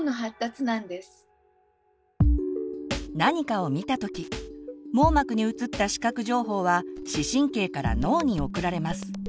何かを見た時網膜にうつった視覚情報は視神経から脳に送られます。